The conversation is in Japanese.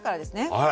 はい。